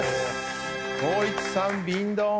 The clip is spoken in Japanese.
光一さん瓶ドン。